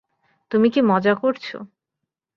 তুমি কি মজা করছ?